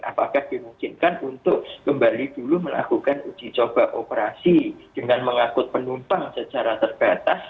apakah dimungkinkan untuk kembali dulu melakukan uji coba operasi dengan mengangkut penumpang secara terbatas